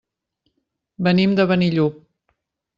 Venim de Benillup.